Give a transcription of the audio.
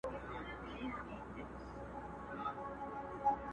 زه په خپل ځان کي بندي د خپل زندان یم!